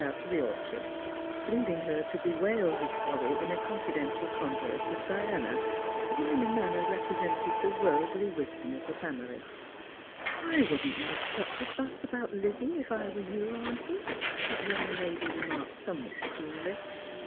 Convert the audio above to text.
t to the orchard, leaving her to bewail his folly in a confidential converse with Diana, who in a manner represented the worldly wisdom of the family, " I wouldn't make such a fuss about Lizzie, if I were you, auntie," that young lady remarked somewhat coolly.